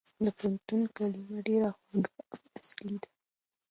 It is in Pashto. د پوهنتون کلمه ډېره خوږه او اصلي ده.